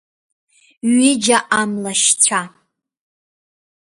Ҩыџьа амлашьцәа.